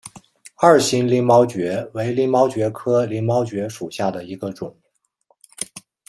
二型鳞毛蕨为鳞毛蕨科鳞毛蕨属下的一个种。